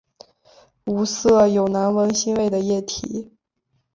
无色有难闻腥味的液体。